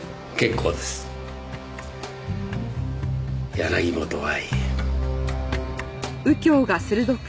柳本愛。